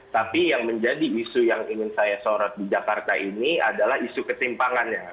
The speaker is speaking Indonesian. tapi yang menjadi isu yang ingin saya sorot di jakarta ini adalah isu ketimpangannya